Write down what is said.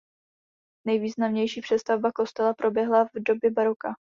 Nejvýznamnější přestavba kostela proběhla v době baroka.